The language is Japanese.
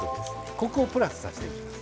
コクをプラスさせていきます。